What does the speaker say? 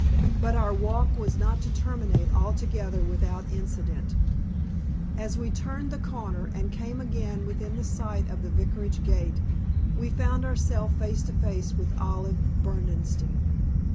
But our walk was not to terminate altogether without incident. As we turned the corner, and came again within sight of the Vicarage gate, we found ourselves face to face with Olive Berdenstein.